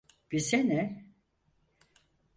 Bize ne?